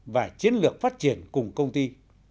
và chiến lược phát triển cùng công ty